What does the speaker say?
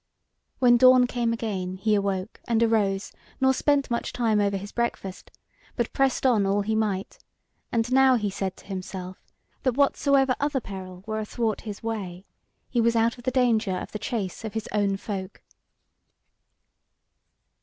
When dawn came again he awoke and arose, nor spent much time over his breakfast; but pressed on all he might; and now he said to himself, that whatsoever other peril were athwart his way, he was out of the danger of the chase of his own folk.